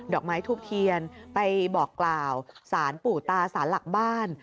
อกไม้ทูบเทียนไปบอกกล่าวสารปู่ตาสารหลักบ้าน